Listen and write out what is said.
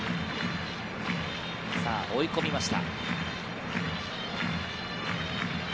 追い込みました。